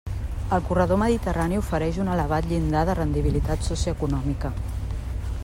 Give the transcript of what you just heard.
El corredor mediterrani ofereix un elevat llindar de rendibilitat socioeconòmica.